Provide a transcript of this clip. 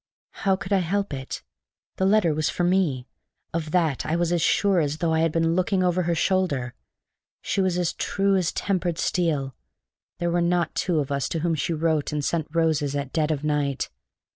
How could I help it? The letter was for me: of that I was as sure as though I had been looking over her shoulder. She was as true as tempered steel; there were not two of us to whom she wrote and sent roses at dead of night.